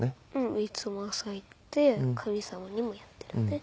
いつも朝言って神様にもやってるね。